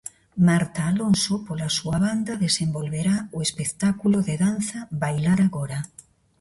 Marta Alonso pola súa banda, desenvolverá o espectáculo de danza Bailar Agora.